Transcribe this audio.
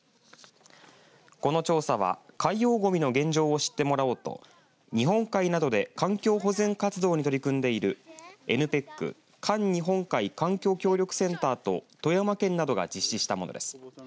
この調査は海洋ごみの現状を知ってもらおうと日本海などで環境保全活動に取り組んでいるＮＰＥＣ、環日本海環境協力センターと富山県などが実施したものです。